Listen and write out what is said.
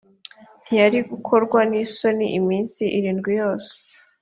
ntiyari gukorwa nisoni iminsi irindwi yose.